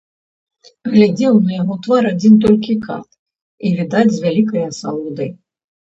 Глядзеў на яго твар адзін толькі кат, і, відаць, з вялікай асалодай.